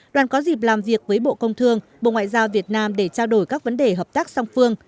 đoàn có dịp làm việc với bộ công thương bộ ngoại giao việt nam để trao đổi các vấn đề hợp tác song phương